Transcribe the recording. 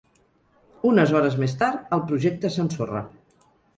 Unes hores més tard, el projecte s’ensorra.